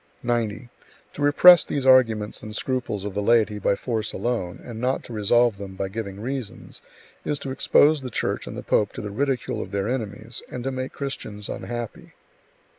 90. To repress these arguments and scruples of the laity by force alone, and not to resolve them by giving reasons, is to expose the Church and the pope to the ridicule of their enemies, and to make Christians unhappy.